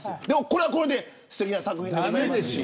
これはこれですてきな作品ですし。